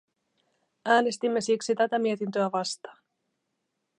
Äänestimme siksi tätä mietintöä vastaan.